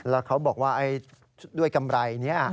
แล้วเขาบอกว่าด้วยกำไรนี้